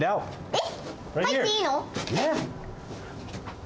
えっ入っていいの？